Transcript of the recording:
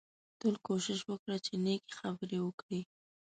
تل کوشش وکړه چې نېکې خبرې وکړې